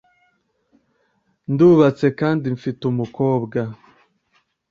Ndubatse kandi mfite umukobwa.